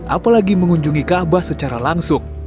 apalagi mengunjungi kaabah secara langsung